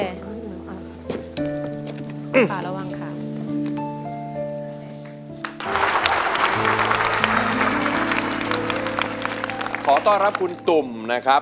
แล้วก็คู่ชีวิตของคุณตุ่มที่เห็นในภาพคุณอาร์ทนะครับ